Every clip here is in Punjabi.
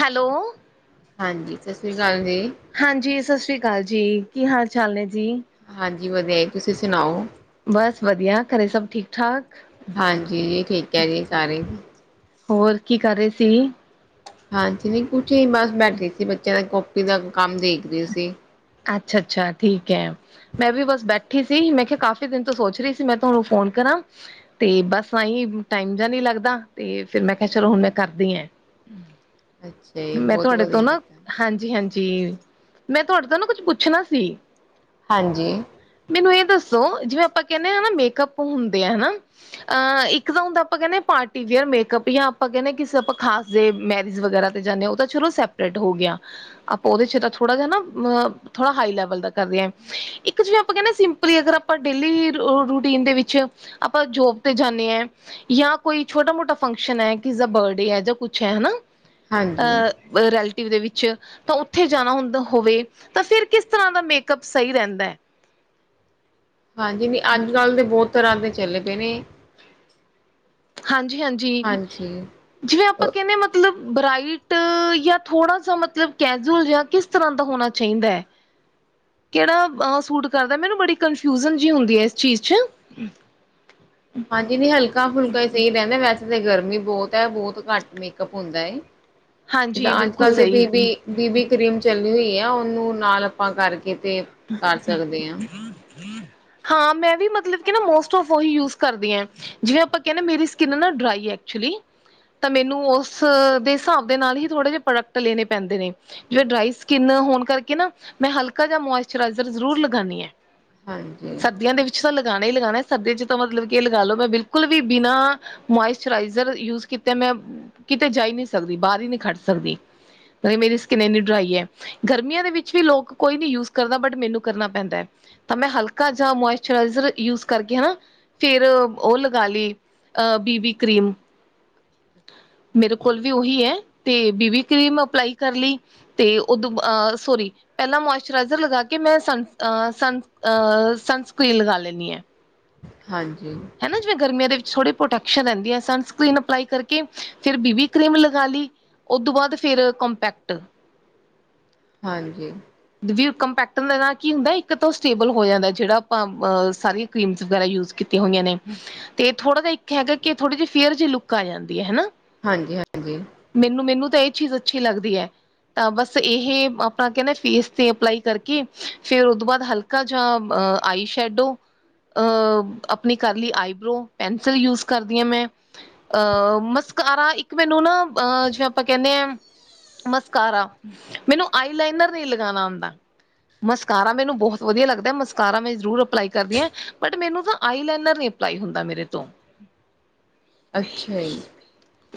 ਹੈਲੋ। ਹਾਂਜੀ, ਸਤਿ ਸ਼੍ਰੀ ਅਕਾਲ ਜੀ। ਹਾਂਜੀ, ਸਤਿ ਸ੍ਰੀ ਅਕਾਲ ਜੀ। ਕੀ ਹਾਲ ਚਾਲ ਨੇ ਜੀ? ਹਾਂਜੀ ਵਧੀਆ ਜੀ, ਤੁਸੀਂ ਸੁਣਾਓ। ਬਸ ਵਧੀਆ, ਘਰੇ ਸਭ ਠੀਕ-ਠਾਕ? ਹਾਂਜੀ, ਠੀਕ ਐ ਜੀ ਸਾਰੇ। ਹੋਰ ਕੀ ਕਰ ਰੇ ਸੀ? ਹਾਂਜੀ ਨੀਂ ਕੁਛ ਹੀ ਬਸ ਬੈਠੇ ਸੀ, ਬੱਚਿਆਂ ਦਾ ਕਾਪੀ ਦਾ ਕੰਮ ਦੇਖ ਰੀ ਸੀ। ਅੱਛਾ-ਅੱਛਾ ਠੀਕ ਐ। ਮੈਂ ਵੀ ਬਸ ਬੈਠੀ ਸੀ ਮੈਂ ਕਿਆ ਕਾਫ਼ੀ ਦਿਨ ਤੋਂ ਸੋਚ ਰੀ ਸੀ ਮੈਂ ਤਾਨੂੰ ਫੋਨ ਕਰਾਂ। ਤੇ ਬਸ ਐਈਂ ਟਾਈਮ ਜਾ ਨੀ ਲੱਗਦਾ ਤੇ ਫੇਰ ਮੈਂ ਕਿਆ ਚਲੋ ਹੁਨ ਮੈਂ ਕਰਦੀ ਆਂ। ਅੱਛਾ ਜੀ ਮੈਂ ਬਹੁਤ ਤੁਆਡੇ ਤੋਂ ਵਧੀਆ ਨਾ ਕੀਤਾ ਹਾਂਜੀ-ਹਾਂਜੀ, ਮੈਂ ਤੁਆਡੇ ਤੋਂ ਨਾ ਕੁੱਝ ਪੁੱਛਨਾ ਸੀ। ਹਾਂਜੀ। ਮੈਨੂੰ ਏ ਦੱਸੋ ਜਿਵੇਂ ਆਪਾਂ ਕੈਨੇ ਆ ਨਾ ਮੇਕਅੱਪ ਹੁੰਦੇ ਆ ਹਨਾ ਅੰ ਇੱਕ ਤਾਂ ਹੁੰਦਾ ਆਪਾਂ ਕੈਨੇ ਆਂ ਪਾਰਟੀ ਵੀਅਰ ਮੇਕਅਪ ਜਾਂ ਆਪਾਂ ਕੈਨੇ ਆਂ ਕਿਸੇ ਆਪਾਂ ਖਾਸ ਦੇ ਮੈਰਿਜ ਵਗੈਰਾ ਤੇ ਜਾਂਦੇ ਆ ਓ ਤਾਂ ਚਲੋ ਸੈਪਰੇਟ ਹੋ ਗੇਆ। ਆਪਾਂ ਓਦੇ ਚ ਤਾਂ ਥੋੜਾ ਜਾ ਨਾ ਅ ਥੋੜਾ ਹਾਈ ਲੈਵਲ ਦਾ ਕਰਦੇ ਆਂ, ਇਕ ਕੇ ਜਿਵੇਂ ਆਪਾਂ ਕੈਨੇ ਆ ਸਿੰਪਲੀ ਅਗਰ ਆਪਾਂ ਡੇਲੀ ਰੁ-ਰੂਟੀਨ ਦੇ ਵਿੱਚ ਆਪਾਂ ਜੋਬ ਤੇ ਜਾਨੇ ਐਂ ਜਾਂ ਕੋਈ ਛੋਟਾ ਮੋਟਾ ਫੰਕਸ਼ਨ ਐ, ਕਿਸ ਦਾ ਬਰਡੇ ਐ ਜਾਂ ਕੁਛ ਐ ਹਨਾ, ਹਾਂਜੀ ਅ ਵ ਰੈਲਟਿਵ ਦੇ ਵਿੱਚ ਤਾਂ ਓਥੇ ਜਾਨਾ ਹੁੰਦਾ ਹੋਵੇ ਤਾਂ ਫਿਰ ਕਿਸ ਤਰਾਂ ਦਾ ਮੇਕਅਪ ਸਈ ਰੈੰਦੈ। ਹਾਂਜੀ, ਨਈਂ ਅੱਜ-ਕੱਲ ਤੇ ਬੋ ਤਰਾਂ ਦੇ ਚੱਲੇ ਪਏ ਨੇ। ਹਾਂਜੀ-ਹਾਂਜੀ, ਹਾਂਜੀ ਜਿਵੇਂ ਆਪਾਂ ਅ ਕੈੰਨੇ ਆਂ ਮਤ ਲਬ ਬਰਾਈਟ ਜਾਂ ਥੋੜਾ ਸਾ ਮਤਲਬ ਕੈਜੂਅਲ ਜਾ ਕਿਸ ਤਰਾਂ ਦਾ ਹੋਨਾ ਚਾਈਦੈ। ਕੇੜਾ ਅ ਸੂਟ ਕਰਦੈ ਮੈਨੂੰ ਬੜੀ ਕਨਫਿਊਜਨ ਜੀ ਹੁੰਦੀ ਐ ਏਸ ਚੀਜ਼ ਚ। ਹਾਂਜੀ ਨਈਂ ਹਲਕਾ-ਫੁਲਕਾ ਈ ਸਈ ਰੈੰਦੈ ਵੈਸ ਤੇ ਗਰਮੀ ਬੌਤ ਐ ਬੌਤ ਘੱਟ ਮੇਕਅਪ ਹੁੰਦਾ ਏ, ਹਾਂਜੀ ਜਾਂ ਬਿਲਕੁਲ ਅੱਜ-ਕੱਲ ਦੇ ਸਹੀ ਬੀਬੀ ਬੀਬੀ ਕਰੀਮ ਚੱਲੀ ਹੋਈ ਐ ਓਨੂੰ ਨਾਲ ਆਪਾਂ ਕਰਕੇ ਤੇ ਕਰ ਸਕਦੇ ਆਂ। ਹਾਂ ਮੈਂ ਵੀ ਮਤਲਬ ਕੇ ਨਾ ਮੋਸਟ ਔਫ ਓਹੀ ਯੂਜ ਕਰਦੀ ਆ। ਜਿਵੇਂ ਆਪਾਂ ਕੈਨੇ ਆਂ ਮੇਰੀ ਸਕਿੰਨ ਨਾ ਡਰਾਈ ਐ ਐਕਚੁਲੀ ਤਾਂ ਮੈਨੂੰ ਓਸ ਦੇ ਸਾਬ ਦੇ ਨਾਲ ਈ ਥੋੜੇ ਜੇ ਪ੍ਰੋਡਕਟ ਲੇਨੇ ਪੈਂਦੇ ਨੇ। ਜਿਵੇਂ ਡਰਾਈ ਸਕਿੰਨ ਹੋਨ ਕਰਕੇ ਨਾ ਮੈਂ ਹਲਕਾ ਜਾ ਮੋਇਸਚਰਾਈਜ਼ਰ ਜ਼ਰੂਰ ਲਗਾਨੀ ਆ। ਹਾਂਜੀ। ਸਰਦੀਆਂ ਦੇ ਵਿੱਚ ਤਾਂ ਲਗਾਨਾ ਈ ਲਗਾਨੈ ਸਰਦੀਆਂ ਚ ਤਾਂ ਮਤਲਬ ਕੇ ਏ ਲਗਾਲੋ ਮੈਂ ਬਿਲਕੁਲ ਵੀ ਬਿਨਾਂ ਮੋਇਸਚਰਾਈਜ਼ਰ ਯੂਜ ਕੀਤੈ ਮੈਂ ਕਿਤੇ ਜਾ ਈ ਨੀ ਸਕਦੀ ਬਾਰ ਈ ਨੀ ਖੜ ਸਕਦੀ। ਬਈ ਮੇਰੀ ਸਕਿੰਨ ਏਨੀ ਡਰਾਈ ਐ, ਗਰਮੀਆਂ ਦੇ ਵਿੱਚ ਵੀ ਲੋਕ ਕੋਈ ਨੀ ਯੂਜ ਕਰਦਾ ਬਟ ਮੈਨੂੰ ਕਰਨਾ ਪੈਂਦੈ, ਤਾਂ ਮੈਂ ਹਲਕਾ ਜਾ ਮੋਇਸਚਰਾਈਜ਼ਰ ਯੂਜ ਕਰਕੇ ਹਨਾ ਫਿਰ ਓ ਲਗਾਲੀ ਅ ਬੀਬੀ ਕਰੀਮ। ਮੇਰੇ ਕੋਲ ਵੀ ਓਹੀ ਐ, ਤੇ ਬੀਬੀ ਕਰੀਮ ਅਪਲਾਈ ਕਰਲੀ ਤੇ ਓਦੂੰ ਬਾਦ ਅ ਸੋਰੀ ਪੈਲਾਂ ਮੋਇਸਚ ਰਾਈਜਰ ਲਗਾ ਕੇ ਮੈਂ ਸਨ ਅ ਸਨ ਅ ਸਨਸਕਰੀਨ ਲਗਾ ਲੈਂਨੀ ਆਂ। ਹਾਂਜੀ। ਹਨਾ ਜਿਵੇਂ ਗਰਮੀਆਂ ਦੇ ਵਿੱਚ ਥੋੜੀ ਪ੍ਰੋਟੈਕਸ਼ਨ ਰੈੰਦੀ ਆ, ਸਨਸਕਰੀਨ ਅਪਲਾਈ ਕਰਕੇ ਫਿਰ ਬੀਬੀ ਕਰੀਮ ਲਗਾਲੀ। ਓਦੂੰ ਬਾਦ ਫਿਰ ਕੰਪੈਕਟ ਹਾਂਜੀ। ਦੇ ਵੀ ਓ ਕੰਪੈਕਟ ਦੇ ਨਾਲ ਕੀ ਹੁੰਦੈ ਇੱਕ ਤਾਂ ਓ ਸਟੇਬਲ ਹੋ ਜਾਂਦੈ ਜੇੜਾ ਆਪਾਂ ਸਾਰੀ ਕਰੀਮਸ ਵਗੈਰਾ ਯੂਜ ਕੀਤੀਆਂ ਹੋਈਆਂ ਨੇ। ਤੇ ਥੋੜਾ ਜਾ ਇੱਕ ਹੈਗੈ ਕੇ ਐ ਥੋੜੀ ਜੀ ਫੇਅਰ ਜੀ ਲੁੱਕ ਆ ਜਾਂਦੀ ਐ ਹਨਾ। ਹਾਂਜੀ-ਹਾਂਜੀ। ਮੇਨੂੰ-ਮੇਨੂੰ ਤਾਂ ਏ ਚੀਜ਼ ਅੱਛੀ ਲੱਗਦੀ ਐ, ਤਾਂ ਬਸ ਏਹੇ ਆਪਨਾ ਕੈੰਦੇ ਐ ਫੇਸ ਤੇ ਅਪਲਾਈ ਕਰਕੇ ਫੇਰ ਓਦੂੰ ਬਾਦ ਹਲਕਾ ਜਾ ਆਈਸ਼ੈਡੋ ਅ ਅਪਨੀ ਕਰਲੀ ਆਈਬਰੋ ਪੈਨਸਿਲ ਯੂਜ ਕਰਦੀ ਆਂ ਮੈਂ। ਅਹ ਮਸਕਾਰਾ ਇੱਕ ਮੈਨੂੰ ਨਾ ਅਹ ਜਿਵੇਂ ਆਪਾਂ ਕੈਣੇ ਆਂ ਮਸਕਾਰਾ ਮੈਨੂੰ ਆਈ ਲਾਈਨਰ ਨੀ ਲਗਾਣਾ ਆੰਦਾ ਮਸਕਾਰਾ ਮੈਨੂੰ ਬਹੋਤ ਵਧੀਆ ਲੱਗਦੈ ਮਸਕਾਰਾ ਮੈਂ ਜ਼ਰੂਰ ਅਪਲਾਈ ਕਰਦੀ ਆਂ ਬਟ ਮੈਨੂੰ ਤਾਂ ਆਈ ਲੈਨਰ ਨੀ ਪਲਾਈ ਹੁੰਦਾ ਮੇਰੇ ਤੋਂ ਅੱਛਾ ਈ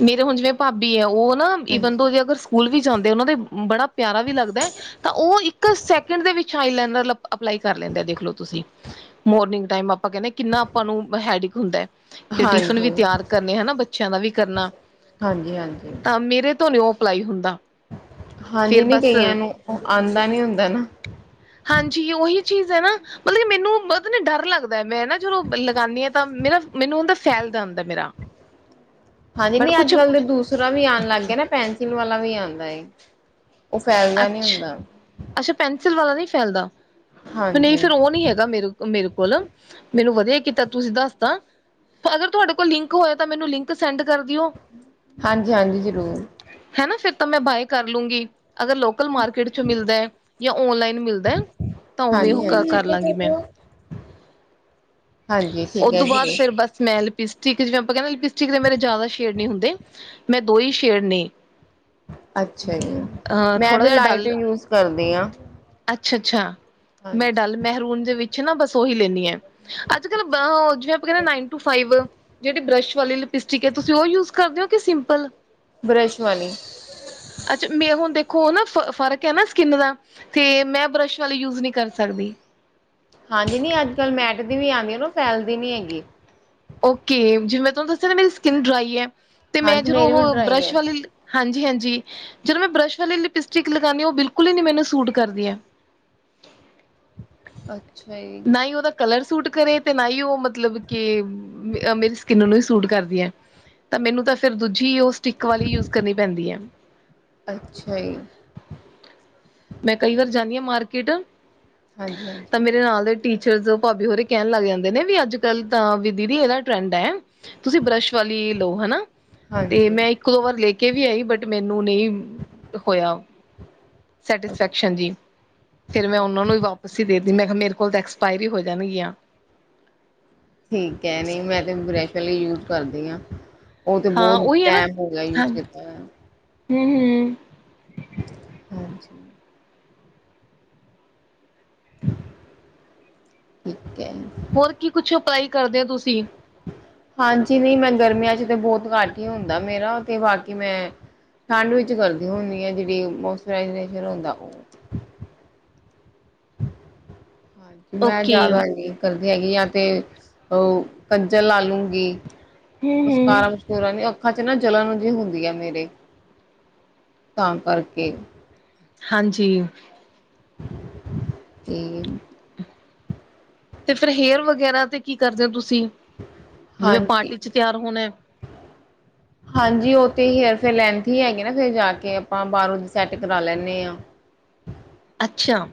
ਮੇਰੇ ਹੁਣ ਜਿਵੇਂ ਭਾਬੀ ਐ ਓਹ ਨਾ ਈਵਨ [unintelligible] ਅਗਰ ਸ ਸਕੂਲ ਵੀ ਜਾਂਦੇ ਓਨਾਂ ਦੇ ਬੜਾ ਪਿਆਰਾ ਵੀ ਲੱਗਦੈ ਤਾਂ ਓਹ ਇੱਕ ਸੈਕਿੰਡ ਦੇ ਵਿੱਚ ਆਈਲੈਨਰ ਲਪ ਅਪਲਾਈ ਕਰ ਲੈਂ ਦੇ ਐ ਦੇਖਲੋ ਤੁਸੀ ਮੋਰਨਿੰਗ ਟਾਈਮ ਅਪਾਂ ਕੈੰਣੇ ਆਂ ਕਿੰਨਾ ਆਪਾਂ ਨੂੰ ਹੈਡਿਕ ਹੁੰਦੈ ਕਿ ਹਾਂਜੀ, ਟਿਫਨ ਵੀ ਹਾਂਜੀ, ਤਿਆਰ ਕਰਨੇ ਹਨਾ ਬੱਚਿਆਂ ਦਾ ਵੀ ਕਰਨਾ ਹਾਂਜੀ, ਤਾਂ ਮੇਰੇ ਤੋਂ ਨੀ ਔਫ ਪਲਾਈ ਹੁੰਦਾ ਹਾਂਜੀ ਫੇਰ ਨਹੀਂ ਬਸ ਕਈਆਂ ਨੂੰ ਓਹ ਆਉਂਦਾ ਨੀ ਹੁੰਦਾ ਨਾ ਹਾਂਜੀ ਯੇ ਓਹੀ ਚੀਜ਼ ਹੈ ਨਾ ਮਤਲਬ ਕਿ ਮੈਨੂੰ ਪਤਾ ਨੀ ਡਰ ਲੱਗਦੈ ਮੈਂ ਨਾ ਜਦੋਂ ਲਗਾੰਣੀ ਆ ਤਾਂ ਮੇਰਾ ਮੈਨੂੰਦਾ ਫੈਲ ਜਾਂਦੈ ਮੇਰਾ [inaudible] ਹਾਂਜੀ ਬਟ ਨਹੀਂ ਅੱਜ ਕੁਛ ਕੱਲ ਤੇ ਦੂਸਰਾ ਵੀ ਆਉਣ ਲੱਗ ਗਿਆ ਨਾ ਪੈਨਸਿਲ ਵਾਲਾ ਵੀ ਆਉਂਦਾ ਏ ਉਹ ਫੈਲਦਾ ਨਹੀਂ ਅੱਛ ਹੁੰਦਾ ਅੱਛਾ ਪੈਨਸਿਲ ਵਾਲਾ ਨਹੀਂ ਫੈਲਦਾ ਨਹੀਂ ਹਾਂਜੀ, ਫਿਰ ਉਹ ਨਹੀਂ ਹੈਗਾ ਮੇਰੇ ਓਹ ਮੇਰੇ ਕੋਲ ਮੈਨੂੰ ਵਧੀਆ ਕੀਤਾ ਤੁਸੀਂ ਦੱਸ ਤਾ ਅਗਰ ਤੁਹਾਡੇ ਕੋਲ ਲਿੰਕ ਹੋਏ ਤਾਂ ਮੈਨੂੰ ਲਿੰਕ ਸੈਂਡ ਕਰ ਦਿਓ ਹਾਂਜੀ ਹਾਂਜੀ ਜ਼ਰੂਰ ਹੈਨਾ ਫਿਰ ਤਾਂ ਮੈਂ ਬਾਏ ਕਰ ਲੂੰਗੀ ਅਗਰ ਲੋਕਲ ਮਾਰਕੀਟ ਚੋਂ ਮਿਲਦੈ ਯਾਂ ਓਨਲਾਈਨ ਮਿਲਦਾ ਏ ਤਾਂ ਉਵੇਂ ਉਹ ਹਾਂਜੀ, ਕ ਹਾਂਜੀ, ਕਰ ਲਾਂਗੀ ਮੈਂ ਹਾਂਜੀ ਉਹ ਠੀਕ ਐ ਦੋ ਬਾਅਦ ਜੀ, ਫਿਰ ਬੱਸ ਮੈਂ ਲਿਪਸਟਿਕ ਜਿਵੇਂ ਆਪਾਂ ਕਹਿਣਾ ਲਿਪਸ ਟਿਕ ਦੇ ਮੇਰੇ ਜ਼ਿਆਦਾ ਸ਼ੇਡ ਨੀ ਹੁੰਦੇ ਮੈਂ ਦੋ ਹੀ ਸ਼ੇਡ ਨੇ ਅੱਛਾ ਜੀ ਅ ਮੈਂ ਥੋੜਾ ਵੀ ਲਾਈਟ ਹੀ ਯੂਜ ਕਰਦੀ ਹਾਂ ਅੱਛਾ ਅੱਛਾ ਮੈਂ ਡੱਲ ਮਹਿਰੂਨ ਦੇ ਵਿੱਚ ਨਾ ਬਸ ਉਹੀ ਲੈਂਨੀ ਆਂ ਅੱਜ ਕੱਲ ਅੱਛਾ ਬਹੋ ਜਿਵੇਂ ਆਪਾਂ ਕਹਿੰਣੇ ਆ ਨਾਈਨ ਟੂ ਫਾਈਵ ਜਿਹੜੀ ਬਰੱਸ਼ ਵਾਲੀ ਲਿਪਸਟਿਕ ਹੈ ਤੁਸੀਂ ਉਹ ਯੂਜ ਕਰਦੇ ਹੋ ਕਿ ਸਿੰਪਲ ਬਰੱਸ਼ ਵਾਲੀ ਅੱਛਾ ਮੇ ਹੁਣ ਦੇਖੋ ਨਾ ਫ ਫ਼ਰਕ ਹੈ ਨਾ ਸਕਿੰਨ ਦਾ ਤੇ ਮੈਂ ਬਰੱਸ਼ ਵਾਲੀ ਯੂਜ ਨਹੀਂ ਕਰ ਸਕਦੀ ਹਾਂਜੀ ਨਹੀਂ ਅੱਜ ਕੱਲ ਮੈਟ ਦੀ ਵੀ ਆਉਂਦੀ ਹੈ ਨਾ ਫੈਲਦੀ ਨੀ ਹੈਗੀ ਓਕੇ ਜਿਵੇਂ ਮੈਂ ਤੁਹਾਨੂੰ ਦੱਸਿਆ ਨਾ ਮੇਰੀ ਸਕਿਨ ਡਰਾਈ ਹੈ ਤੇ ਮੈਂ ਹਾਂਜੀ ਜਦੋਂ ਮੇਰੀ ਵੀ ਉਹ ਡਰਾਈ ਬਰਸ਼ ਹੈ ਵਾਲੀ ਲਿ ਹਾਂਜੀ ਹਾਂਜੀ ਜਦੋਂ ਮੈਂ ਬਰੱਸ਼ ਵਾਲੀ ਲਿਪਸਟਿਕ ਲਗਾਉਂਦੀ ਹਾਂ ਉਹ ਬਿਲਕੁਲ ਹੀ ਨੀ ਮੈਨੂੰ ਸੂਟ ਕਰਦੀ ਹੈ ਅੱ ਨਾ ਹੀ ਉਹਦਾ ਕਲਰ ਸੂਟ ਕਰੇ ਤੇ ਨਾ ਹੀ ਉਹ ਮਤ ਮਤਲਬ ਕਿ ਅਹ ਮੇਰੀ ਸਕਿੰਨ ਨੂੰ ਹੀ ਸੂਟ ਕਰਦੀ ਹੈ ਤਾਂ ਮੈਨੂੰ ਤਾਂ ਫੇਰ ਦੂਜੀ ਉਹ ਸ ਟਿਕ ਵਾਲੀ ਯੂਸ ਕਰਨੀ ਪੈਂਦੀ ਹੈ ਅੱਛਾ ਜੀ ਮੈਂ ਕਈ ਵਾਰ ਜਾਂਣੀ ਹਾਂ ਮਾਰਕੀਟ ਹਾਂਜੀ ਹਾਂਜੀ ਤਾਂ ਮੇਰੇ ਨਾਲ ਟੀਚਰਸ ਭਾਬੀ ਹੋਰੀ ਕਹਿਣ ਲੱਗ ਜਾਂਦੇ ਨੇ ਵੀ ਅੱਜ ਕੱਲ ਤਾਂ ਵੀ ਦੀਦੀ ਇਹਦਾ ਟਰੈਂਡ ਹੈ ਤੁਸੀਂ ਬਰੱਸ਼ ਵਾਲੀ ਲਓ ਹਨਾ ਤੇ ਹਾਂਜੀ ਮੈਂ ਇੱਕ ਇੱਕ ਦੋ ਵਾਰ ਲੈ ਕੇ ਵੀ ਆਈ ਬਟ ਮੈਨੂੰ ਨਹੀਂ ਹੋਇਆ ਅੱਛਾ ਸੈਟਿਸਫੈਕਸ਼ਨ ਜੀ ਫੇਰ ਮੈਂ ਉਹਨਾਂ ਨੂੰ ਅੱਛਾ ਹੀ ਵਾਪਸ ਹੀ ਦੇਤੀ ਮੈਂ ਕਿਹਾ ਮੇਰੇ ਕੋਲ ਐਕਸਪਾਇਰੀ ਹੋ ਜਾਨਗੀਆਂ। ਠੀਕ ਹੈ ਨਹੀਂ ਮੈਂ ਤੇ ਬਰੈਸ਼ ਵਾਲੀ ਯੂਜ਼ ਕਰਦੀ ਆਂ। ਔਹ ਤੇ ਹਾਂ ਬੋੱਤ ਉਹੀ ਟੈਮ ਹੋ ਗਿਆ ਯੂਜ਼ ਕੀਤਾ ਹੋਇਆ। ਹੂੰ ਹੂੰ। ਹਂਜੀ। ਠੀਕ ਐ। ਹੋਰ ਕੀ ਕੁਛ ਅਪਲਾਈ ਕਰਦੇ ਔ ਤੁਸੀ। ਹਜੀ ਨਹੀਂ ਮੈਂ ਗਰਮੀਆਂ ਚ ਤਾਂ ਬੋੱਤ ਘੱਟ ਹੀ ਹੁੰਦਾ। ਮੇਰਾ ਤੇ ਬਾਕੀ ਮੈਂ ਠੰਡ ਵਿੱਚ ਕਰਦੀ ਹੁਨੀ ਆ ਜੇੜੀ ਮੋਚਰਾਈਜ ਨੇਚਰ ਹੁੰਦਾ। ਮੈਂ ਓਕੇ ਜੈਦਾ ਨੀ। ਸਰਦੀ ਹੈਗੀ ਆਂ ਤੇ ਔਹ ਕੰਜਲ ਲਾ ਲੂੰਗੀ। ਹੂੰ-ਹੂੰ ਕਾਰਾ ਕੁਰਾ ਨੀ ਅੱਖਾਂ ਚ ਨਾ ਜਲਨ ਜੀ ਹੁੰਦੀ ਆ ਮੇਰੇ। ਤਾਂ ਕਰਕੇ। ਹਂਜੀ। ਏ। ਤੇ ਫੇਰ ਹੇਅਰ ਵਗੈਰਾ ਤੇ ਕੀ ਕਰਦੇ ਹੋ ਤੁਸੀਂ ਜਿਵੇਂ ਹਾਂਜੀ ਪਾਰਟੀ ਚ ਤਿਆਰ ਹੋਨਾ। [unintelligible] ਹਂਜੀ ਔਹ ਤੇ ਹੇਅਰ ਫੇਅਰ ਲੈਂਸਹੀ ਹੈਗੇ ਨਾ ਫੇਰ ਜਾ ਕੇ ਆਪਾਂ ਬਾਰੋਂ ਸੈਟ ਕਰਾ ਲੈਂਨੇ ਆਂ। ਅੱਛਾ,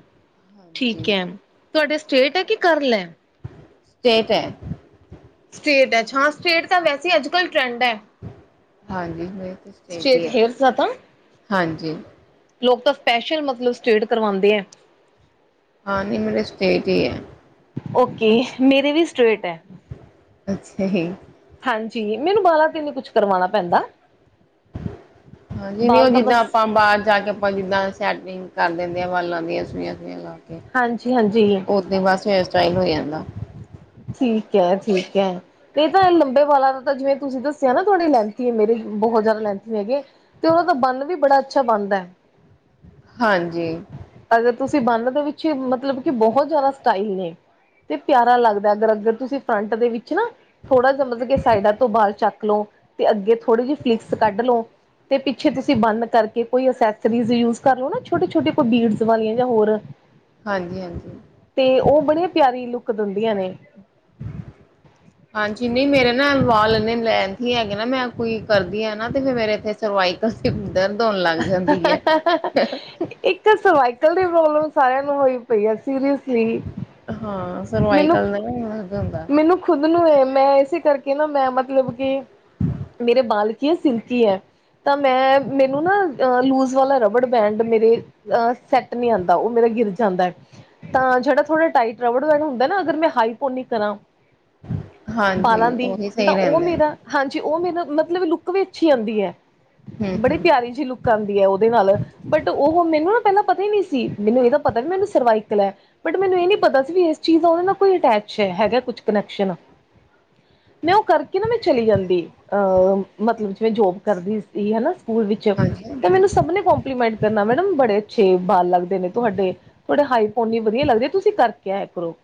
ਠੀਕ ਹਾਂਜੀ ਹੈ, ਤੁਹਾਡੇ ਸਟੇਟ ਐ ਕਿ ਕਰ ਲੈਨ। ਸਟੇਟ ਐ। ਸਟੇਟ ਹੈ ਹਾਂ ਸਟੇਟ ਤਾਂ ਵੈਸੇ ਈ ਅੱਜ ਕੱਲ ਟਰੈਂਡ ਐ। ਹਂਜੀ, ਮੈਂ ਕਿਹਾ ਠੀਕ ਐ ਹੇਅਰਸ ਦਾ ਤਾਂ ਹਂਜੀ। ਲੋਕ ਤਾਂ ਸਪੈਸ਼ਲ ਮਗਰੋ ਸਟੇਟ ਕਰਵਾਉਂਦੇ ਐ। ਹਾਂ ਨਹੀਂ ਮੇਰੇ ਸਟੇਟ ਈ ਐ। ਔਕੇ ਮੇਰੇ ਵੀ ਸਟਰੇਟ ਐ। ਅੱਛਾ ਹੇ। ਹਂਜੀ, ਮੈਨੂੰ ਵਾਲਾ ਤੇ ਨਹੀਂ ਕੁਛ ਕਰਵਾਉਨਾ ਪੈਂਦਾ। ਹਂਜੀ, ਜਿਵੇਂ ਉਹ ਬਾਲ ਤਾਂ ਜਿੱਦਾਂ ਬਸ ਆਪਾਂ ਬਾਰ ਜਾ ਕੇ ਆਪਾਂ ਜਿੱਦਾਂ ਸਟੇਟੀੰਗ ਕਰ ਦਿੰਦੇ ਆ ਵਾਲਾਂ ਦੀ ਸੂਈਆਸਾਇਆਂ ਲਾ ਕੇ। ਹਂਜੀ, ਹਂਜੀ। ਔ ਤੇ ਬਸ ਫੇਰ ਹੇਅਰ ਸਟਾਈਲ ਔ ਜਾਂਦਾ। ਠੀਕ ਐ, ਠੀਕ ਐ। ਇਹ ਤਾਂ ਇਹ ਲੰਬੇ ਵਾਲਾ ਦਾ ਤਾਂ ਜਿਵੇਂ ਤੁਸੀਂ ਦੱਸਿਆ ਨਾ ਤੁੱਡੇ ਲੈਂਥੀ ਮੇਰੇ ਬੋੱਤ ਜੈ਼ਦਾ ਲੈਂਥੀ ਹੈਗੇ। ਤ ਔਹ ਤਾਂ ਬੰਨ ਵੀ ਬੜਾ ਅੱਛਾ ਬਨਦਾ ਐ। ਹਂਜੀ। ਅਗਰ ਤੁਸੀਂ ਬੰਨ ਦੇ ਵਿੱਚ ਮਤਲਬ ਕਿ ਬੋੱਤ ਜੈ਼ਦਾ ਸਟਾਈਲ ਨੇ ਤੇ ਪਿਆਰਾ ਲੱਗਦਾ। ਅਗਰ ਅਗਰ ਤੁਸੀਂ ਫਰੰਟ ਦੇ ਵਿੱਚ ਨਾ ਥੋੜਾ ਜਾ ਮਤਲਬ ਕਿ ਸਾਈਡਾਂ ਤੋਂ ਬਾਲ ਚੱਕ ਲਔ ਤੇ ਅੱਗੇ ਥੋੜੀ ਜਿਹੀ ਫਲਿਕਸ ਕੱਢ ਲੋ। ਤੇ ਪਿੱਛੇ ਤੁਸੀਂ ਬੰਦ ਕਰਕੇ ਕੋਈ ਅਸੈਸਰੀਜ਼ ਯੂਜ ਕਰ ਲੋ ਨਾ ਛੋਟੇ ਛੋਟੇ ਕੋਈ ਬੀਡਸ ਵਾਲੀਆਂ ਜਾਂ ਹੋਰ। ਹਂਜੀ, ਹਂਜੀ। ਤੇ ਔਹ ਬੜੀਆਂ ਪਿਆਰੀ ਲੁੱਕ ਦਿੰਦੀਆਂ ਨੇ। ਹਂਜੀ, ਨੀ ਮੇਰਲ। ਨਾ ਵਾਲ ਇੰਨੇ ਲੈਂਥੀ ਹੈਗੇ ਨਾ। ਮੈਂ ਕੋਈ ਕਰਦੀ ਆ ਨਾ ਤੇ ਫੇਰ ਮੇਰੇ ਇੱਥੇ ਸਰਵਾਈਬ ਸਿਰ ਦਰਦ ਹੋਨ ਲੱਗ ਜਾਂਦੀ ਐ। ਇੱਕ ਸਰਵਾਈਕਲ ਦੀ ਪ੍ਰੋਬਲਮ ਸਾਰੇਆਂ ਨੂੰ ਹੋਈ ਪਈ ਆ ਸੀਰੀਅਸ ਲੀ ਹਾਂ ਸਰਵਾਈਕਲ ਨਾਲ ਦਰਦ ਹੁੰਦਾ ਮੈਨੂੰ ਖੁਦ ਨੂੰ ਹੈ ਮੈਂ ਇਸੇ ਕਰਕੇ ਨਾ ਮੈਂ ਮਤਲਬ ਕਿ ਮੇਰੇ ਬਾਲ ਕੀ ਏ ਸਿਲਕੀ ਐ ਤਾਂ ਮੈਂ ਮੈਨੂੰ ਨਾ ਅ ਲੂਜ ਵਾਲਾ ਰਬੜ ਬੈਂਡ ਮੇਰੇ ਅਹ ਸੈੱਟ ਨਹੀਂ ਆੰਦਾ ਉਹ ਮੇਰਾ ਗਿਰ ਜਾਂਦਾ ਐ ਤਾਂ ਜੇਹੜਾ ਥੋੜ੍ਹਾ ਟਾਈਟ ਰਬੜ ਬੈਡੰ ਹੁੰਦਾ ਨਾ ਅਗਰ ਮੈਂ ਹਾਈ ਪੋਨੀ ਕਰਾਂ ਹਾਂਜੀ ਬਾਲਾਂ ਦੀ ਉਹੀ ਸਹੀ ਤਾਂ ਉਹ ਰਹਿੰਦਾ ਮੇਰਾ ਹਾਂਜੀ ਉਹ ਮੈਨੂੰ ਮਤਲਬ ਲੁੱਕ ਵੀ ਅੱਛੀ ਆੰਦੀ ਹੈ ਹੂੰ ਬੜੀ ਹੂੰ ਪਿਆਰੀ ਜਿਹੀ ਲੁੱਕ ਕਨ ਦੀ ਹੈ ਉਹਦੇ ਨਾਲ ਬਟ ਓਹ ਮੈਨੂੰ ਨਾ ਪਹਿਲਾਂ ਪਤਾ ਹੀ ਨਹੀਂ ਸੀ ਮੈਨੂੰ ਇਹਦਾ ਪਤਾ ਨੀ ਮੈਨੂੰ ਸਰਵਾਈਕਲ ਐ ਬਟ ਮੈਨੂੰ ਇਹ ਨੀ ਪਤਾ ਸੀ ਵੀ ਇਸ ਚੀਜ਼ ਦਾ ਉਹਦੇ ਨਾਲ ਕੋਈ ਅਟੈਚ ਹੈਗਾ ਕੁਛ ਕਨੈਕਸ਼ਨ ਮੈਂ ਓਹ ਕਰਕੇ ਨਾ ਮੈਂ ਚਲੀ ਜਾਂਦੀ ਅਹ ਮਤਲਬ ਜੇ ਜੋਬ ਕਰਦੀ ਹੈਨਾ ਸਕੂਲ ਵਿੱਚ ਹਾਂਜੀ ਤੇ ਹਾਂਜੀ ਮੈਨੂੰ ਸਬ ਨੇ ਕੋਂਪਲੀਮੈਂਟ ਕਰਨਾ ਮੈਡਮ ਬੜੇ ਅੱਛੇ ਬਾਲ ਲੱਗਦੇ ਨੇ ਤੁਹਾਡੇ ਤੁਹਾਡੇ ਹਾਈਪੋਨੀ ਵਦੀਆ ਲੱਗਦੀ ਤੁਸੀਂ ਕਰਕੇ ਆਇਆ ਕਰੋ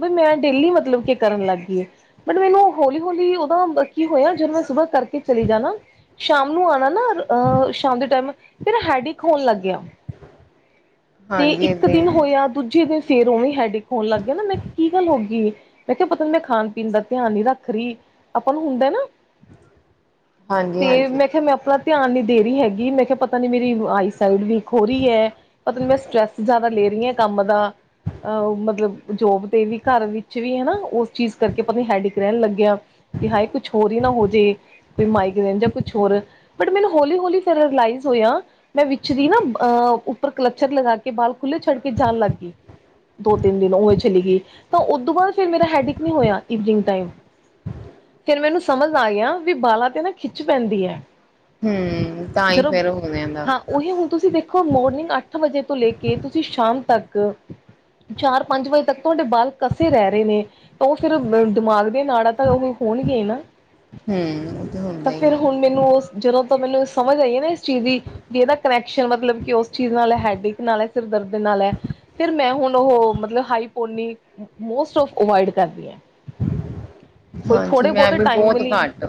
ਵਈ ਮੈਂ ਡੇਲੀ ਮਤਲਬ ਕਿ ਕਰਨ ਲੱਗ ਗਈਏ ਬਟ ਮੈਨੂੰ ਹੌਲੀ ਹੌਲੀ ਓਦੋ ਕੀ ਹੋਇਆ ਜਦ ਮੈਂ ਸੁਬਾਹ ਕਰਕੇ ਚਲੀ ਜਾਨਾ ਸ਼ਾਮ ਨੂੰ ਆਉਣਾ ਨਾ ਅਹ ਸ਼ਾਮ ਦੇ ਟਾਈਮ ਫਿਰ ਹੈਡਿੰਕ ਹੋਨ ਲਗ ਗੇਆ [inaudible] ਤੇ ਹਾਂਜੀ ਇੱਕ ਏਦਾਂ ਹੀ ਦਿਨ ਹੁੰਦਾ ਹੋਇਆ ਦੂਜੇ ਦਿਨ ਫੇਰ ਉਵੇਂ ਹੈਡਿੰਕ ਹੋਣ ਲੱਗ ਗਏ ਨਾ ਮੈਂ ਕਿਹਾ ਕੀ ਗੱਲ ਹੋਗੀ ਮੈਂ ਕਿਹਾ ਪਤਾ ਨੀ ਮੈਂ ਖਾਨ ਪੀਨ ਦਾ ਧਿਆਨ ਨੀ ਰੱਖ ਰਹੀ ਆਪਾਂ ਨੂੰ ਹੁੰਦਾ ਏ ਨਾ ਹਾਂਜੀ ਤੇ ਹਾਂਜੀ ਮੈਂ ਕਿਹਾ ਮੈਂ ਅਪਨਾ ਧਿਆਨ ਨੀ ਦੇ ਰਹੀ ਹੈਗੀ ਮੈਂ ਕਿਹਾ ਪਤਾ ਨੀ ਮੇਰੀ ਆਈਸਾਈਡ ਵੀਕ ਹੋੋ ਰਹੀ ਐ ਪਤਾ ਨਹੀਂ ਮੈਂ ਸਟਰ੍ਰੈਸ ਜ਼ਿਆਦਾ ਲੈਰੀ ਹਾਂ ਕੰਮ ਦਾ ਅਹ ਮਤਲਬ ਜੋਬ ਤੇ ਵੀ ਘਰ ਵਿੱਚ ਸੀ ਵੀ ਹੈਨਾ ਉਸ ਚੀਜ਼ ਕਰਕੇ ਪਤਾ ਨੀ ਹੈਡਿਕ ਰਹਿਣ ਲੱਗਿਆ ਕਿ ਹਾਏ ਕੁਛ ਹੋਰ ਹੀ ਨਾ ਹੋ ਜੇ ਤੇ ਮਾਈਗਰੇਨ ਜਾਂ ਕੁਛ ਹੋਰ ਬਟ ਮੈਨੂੰ ਹੌਲੀ ਹੋਲੀ ਫਿਰ ਰਿਲਾਈਜ ਹੋਇਆ ਮੈਂ ਵਿੱਚ ਦੀ ਨਾ ਅਹ ਉੱਪਰ ਕਲੱਚਰ ਲਗਾ ਕੇ ਬਾਲ ਖੁੱਲ੍ਹੇ ਛੱਡ ਕੇ ਜਾਨ ਲੱਗ ਗਈ ਦੋ-ਤਿੰਨ ਦਿਨ ਓਵੇਂ ਚਲੀ ਗਈ ਤਾਂ ਉਹਦੋਂ ਬਾਅਦ ਫਿਰ ਮੇਰਾ ਹੈਡਇਕ ਨਹੀਂ ਹੋਇਆ ਈਵਨਿੰਗ ਟਾਈਮ ਫੇਰ ਮੈਨੂੰ ਸਮਝ ਆ ਗਿਆ ਵੀ ਬਾਲਾਂ 'ਤੇ ਨਾ ਖਿੱਚ ਪੈਂਦੀ ਐ। ਹੰ ਤਾਂ ਹੀ ਫੇਰ ਹੋ ਜਾਂਦਾ ਓਹੀ ਹੁਣ ਤੁਸੀਂ ਦੇਖੋ ਮੋਰਨਿੰਗ ਅੱਠ ਵਜੇ ਤੋਂ ਲੈ ਕੇ ਤੁਸੀਂ ਸ਼ਾਮ ਤੱਕ ਚਾਰ-ਪੰਜ ਵਜੇ ਤੱਕ ਤੁਹਾਡੇ ਬਾਲ ਕੱਸ ਕੇ ਰਹਿ ਰਹੇ ਨੇ, ਤਾਂ ਉਹ ਫਿਰ ਦਿਮਾਗ ਦੀਆਂ ਨਾੜਾਂ ਤਾਂ ਉਹ ਹੋਣਗੀਆ ਈ ਨਾ ਹਮ ਉਹ ਤੇ ਹੁੰਦਾ ਤਾਂ ਈ ਫਿਰ ਐ ਹੁਣ ਮੈਨੂੰ ਉਸ, ਜਦੋਂ ਤੋਂ ਮੈਨੂੰ ਸਮਝ ਆਈ ਏ ਨਾ ਇਸ ਚੀਜ਼ ਦੀ ਜੇ ਇਹਦਾ ਕਨੈਕਸ਼ਨ ਮਤਲਬ ਕਿ ਉਸ ਚੀਜ਼ ਨਾਲ ਹੈਡਿਕ ਨਾਲ ਹੈ, ਸਿਰ ਦਰਦ ਨਾਲ ਹੈ ਫਿਰ ਮੈਂ ਹੁਣ ਉਹ ਮਤਲਬ ਹਾਈ ਪੋਨੀ ਨ [unintelligible] ਮੋਸਟ ਔਫ ਅਵਾਇਡ ਕਰਦੀ ਆਂ ਕੋਈ ਹਾਂਜੀ ਮੈਂ ਥੋੜੇ-ਬਹੁਤੇ ਵੀ ਟਾਈਮ ਬਹੁਤ ਵਲੀ ਘੱਟ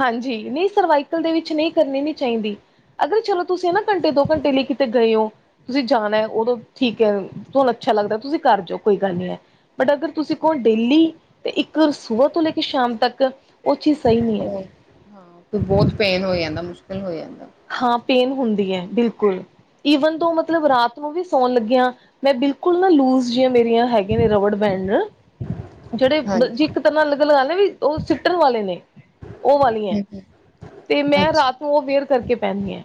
ਹਾਂਜੀ, ਨਹੀਂ ਸਰਵਾਈਕਲ ਦੇ ਵਿੱਚ ਨਹੀਂ ਕਰਨੀ ਨੀ ਚਾਹੀਦੀ ਅਗਰ ਚਲੋ ਤੁਸੀਂ ਨਾ ਘੰਟੇ ਦੋ ਘੰਟੇ ਲਈ ਕਿਤੇ ਗਏ ਓਂ ਤੁਸੀਂ ਜਾਨਾ ਏ ਉਦੋਂ ਠੀਕ ਹੈ ਤੁਹਾਨੂੰ ਅੱਛਾ ਲੱਗਦਾ ਤੁਸੀਂ ਕਰ ਜਾਓ ਕੋਈ ਗੱਲ ਨੀ ਐ ਬਟ ਅਗਰ ਤੁਸੀਂ ਕਹੋ ਡੇਲੀ ਤੇ ਇੱਕ ਸੁਬਾ ਤੋਂ ਲੈ ਕੇ ਸ਼ਾਮ ਤੱਕ ਉਹ ਚੀਜ਼ ਸਹੀ ਨਹੀਂ ਹੈ ਹਾਂ, ਫੇਰ ਬਹੁਤ ਪੇਨ ਹੋ ਜਾਂਦਾ ਮੁਸ਼ਕਿਲ ਹੋ ਜਾਂਦਾ ਹਾਂ ਪੇਨ ਹੁੰਦੀ ਹੈ, ਬਿਲਕੁਲ ਈਵਨ ਤੋਂ ਮਤਲਬ ਰਾਤ ਨੂੰ ਵੀ ਸੌਣ ਲੱਗਿਆਂ ਮੈਂ ਬਿਲਕੁਲ ਨਾ ਲੂਜ ਜਿਹੀਆਂ ਮੇਰੀਆਂ ਹੈਗੀਆਂ ਨੇ ਰਬੜ ਬੈਂਡਅ। ਜਿਹੜੇ ਹਾਂਜੀ ਜੇ ਇੱਕ ਤਰ੍ਹਾਂ ਨਾਲ ਲੱਗਣ ਲੱਗ ਜੇ ਨਾ ਵੀ ਉਹ [unintelligible] ਸਿੱਟਣ ਵਾਲੇ ਨੇ, ਉਹ ਵਾਲੀਐਂ ਹੂੰ, ਤੇ ਮੈਂ ਅੱਛਾ ਰਾਤ ਨੂੰ ਉਹ ਵੀਅਰ ਕਰਕੇ ਪੈਨੀ ਐ,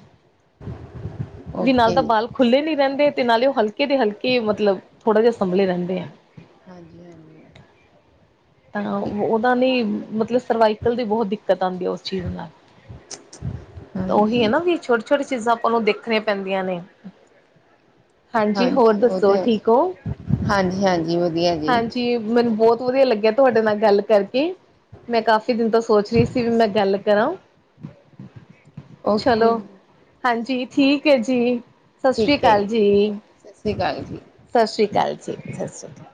ਤੈਸੀ ਲਾਲ ਓਕੇ ਤਾਂ ਪਾਲ ਖੁੱਲ੍ਹੇ ਨੀ ਰਹਿੰਦੇ ਤੇ ਨਾਲੇ ਉਹ ਹਲਕੇ ਦੇ ਹਲਕੇ ਮਤਲਬ ਥੋੜਾ ਜਿਹਾ ਸੰਭਲੇ ਰਹਿੰਦੇ ਆ। ਹਾਂਜੀ-ਹਾਂਜੀ। ਤਾਂ ਉਦਾ ਨੀ ਮਤਲਬ ਸਰਵਾਈਕਲ ਦੀ ਬਹੁਤ ਦਿੱਕਤ ਆਉਂਦੀ ਹੈ ਉਸ ਚੀਜ਼ ਨਾਲ। ਤਾਂ ਉਹੀ ਐ ਹਾਂਜੀ ਨਾ ਵੀ ਛੋਟੀ-ਛੋਟੀ ਚੀਜ਼ਾਂ ਆਪਾਂ ਨੂੰ ਦੇਖਣੀਆਂ ਪੈਂਦੀਆਂ ਨੇ। ਹਾਂਜੀ ਹੋਰ ਦੱਸੋ ਠੀਕ ਹੋ? ਹਾਂਜੀ-ਹਾਂਜੀ ਹਾਂਜੀ, ਮੈਨੂੰ ਬਹੁਤ ਵਧੀਆ ਲੱਗਿਆ, ਤੁਹਾਡੇ ਨਾਲ ਗੱਲ ਕਰਕੇ। ਮੈਂ ਕਾਫੀ ਦਿਨ ਤੋਂ ਸੋਚ ਰਹੀ ਸੀ, ਵੀ ਮੈਂ ਗੱਲ ਕਰਾਂ। ਓਕੇ ਚਲੋ ਜੀ ਹਾਂਜੀ ਠੀਕ ਹੈ ਜੀ, ਸਤਿ ਸ੍ਰੀ ਠੀਕ ਹੈ ਅਕਾਲ ਜੀ। ਸਤਿ ਸ਼੍ਰੀ ਅਕਾਲ ਜੀ। ਸਤਿ ਸ਼੍ਰੀ ਅਕਾਲ ਜੀ, ਸਤਿ ਸ਼੍ਰੀ ਅਕਾਲ।